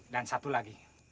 dan satu lagi